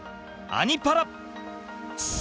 「アニ×パラ」。